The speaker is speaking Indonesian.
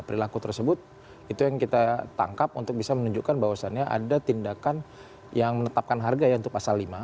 perilaku tersebut itu yang kita tangkap untuk bisa menunjukkan bahwasannya ada tindakan yang menetapkan harga ya untuk pasal lima